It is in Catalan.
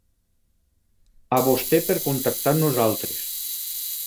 A vostè per contactar amb nosaltres.